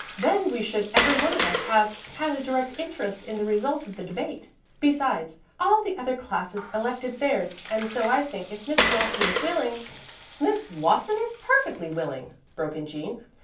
Then we should every one of us have had a direct interest in the result of the debate. Besides, all the other classes elected theirs, and so I think, if Miss Watson is willing " "Miss Watson is perfectly willing," broke in Jean.